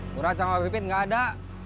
murad sama pipit gak ada